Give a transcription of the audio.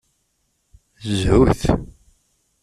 Zhut!